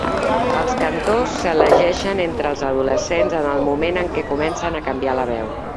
Els cantors s'elegixen entre els adolescents en el moment en què comencen a canviar la veu.